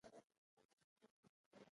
پوخ زړه مهربانه وي